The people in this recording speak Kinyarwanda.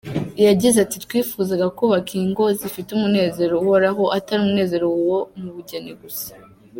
Yagize ati “Twifuzaga kubaka ingo zifite umunezero uhoraho, atari umunezero wo mu bugeni gusa.